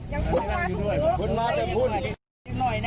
ยังคลุกมาถึงฮึก